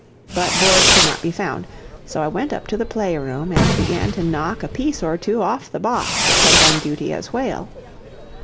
But boards could not be found, so I went up to the play room and began to knock a piece or two off the box which had done duty as whale.